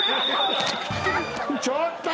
ちょっと！